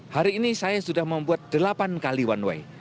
hari ini saya sudah membuat delapan kali one way